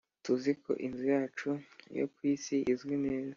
Tuzi ko inzu yacu yo ku isi izwi neza